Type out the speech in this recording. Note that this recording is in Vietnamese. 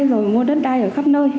rồi mua đất đai ở khắp nơi